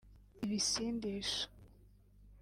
ibisindisha